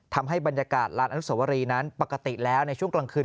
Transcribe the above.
ทำให้บรรยากาศลานอนุสวรีนั้นปกติแล้วในช่วงกลางคืน